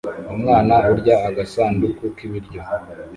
umwana urya agasanduku k'ibiryo